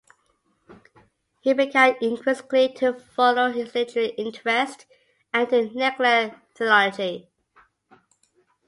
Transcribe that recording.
He began increasingly to follow his literary interests and to neglect theology.